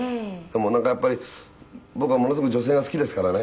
「なんかやっぱり僕はものすごく女性が好きですからね」